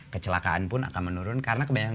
kecelakaan pun akan menurun karena kebanyakan